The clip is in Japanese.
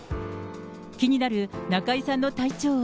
気になる中居さんの体調は？